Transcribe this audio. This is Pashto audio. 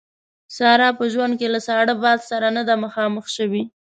ساره په ژوند کې له ساړه باد سره نه ده مخامخ شوې.